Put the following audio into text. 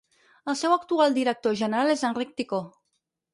El seu actual director general és Enric Ticó.